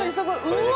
うわ！